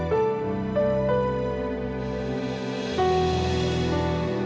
hari ini bukan seorang anak bua